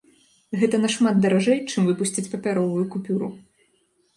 Гэта нашмат даражэй, чым выпусціць папяровую купюру.